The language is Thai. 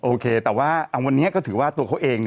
โอเคแต่ว่าวันนี้ตัวเค้าเอง